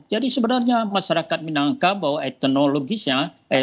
jadi sebenarnya masyarakat minangkabau etnologisnya